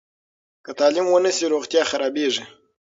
که تعلیم ونه سي، روغتیا خرابېږي.